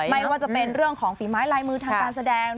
ไม่ว่าจะเป็นเรื่องของฝีไม้ลายมือทางการแสดง